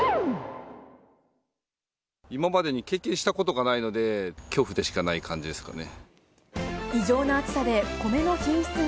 今までに経験したことがないので、恐怖でしかない感じですかね。